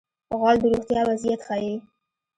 غول د روغتیا وضعیت ښيي.